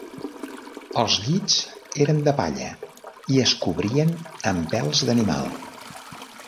Els llits eren de palla i es cobrien amb pells d'animal.